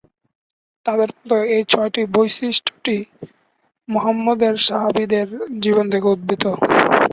তাদের মতে, এই ছয়টি বৈশিষ্ট্যটি মুহাম্মদের সাহাবীদের জীবন থেকে উদ্ভূত।